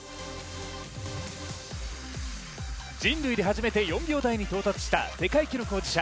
人類で初めて４秒台に到達した世界記録保持者